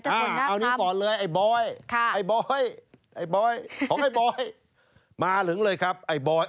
อ้าอันนี้ก่อนเลยไอ้บ๊อยไอ้บ๊อยของไอ้บ๊อยมาหลึงเลยครับไอ้บ๊อย